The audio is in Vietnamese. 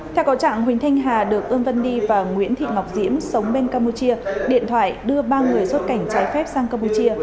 theo cầu trạng huỳnh thanh hà được ưng văn đi và nguyễn thị ngọc diễm sống bên campuchia điện thoại đưa ba người xuất cảnh trái phép sang campuchia